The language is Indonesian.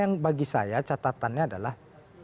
yang bagi saya catatannya adalah